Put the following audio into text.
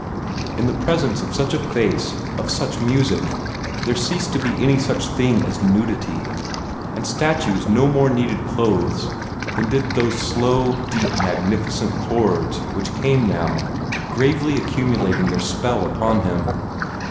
In the presence of such a face, of such music, there ceased to be any such thing as nudity, and statues no more needed clothes than did those slow, deep, magnificent chords which came now, gravely accumulating their spell upon him.